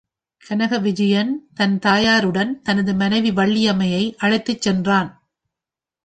கனகவிஜயன் தன் தாயாருடன் தனது மனைவி வள்ளியம்மையை அழைத்துச் சென்றான்.